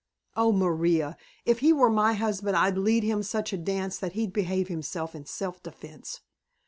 "Oh, Maria! If he were my husband I'd lead him such a dance that he'd behave himself in self defence.